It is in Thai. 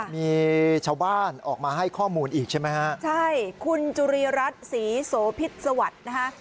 มีชาวบ้านออกมาให้ข้อมูลอีกใช่ไหมฮะใช่คุณจุรีรัฐศรีโสพิษสวัสดิ์นะคะ